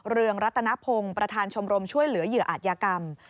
เรืองรัตนพงศ์ประธานชมรมช่วยเหลือเหยื่ออาจยากรรม